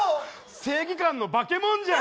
正義感の化けもんじゃん！